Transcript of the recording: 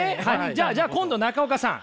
じゃあじゃあ今度中岡さん